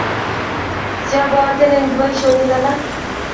Siaborten eng kiboishinik alak